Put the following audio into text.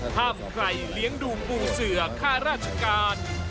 ห้ามใครเลี้ยงดูปูเสือค่าราชการ